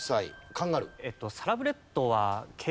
カンガルー。